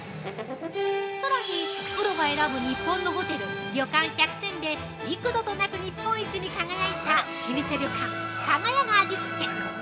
さらに「プロが選ぶ日本のホテル・旅館１００選」で幾度となく日本一に輝いた老舗旅館加賀屋が味つけ。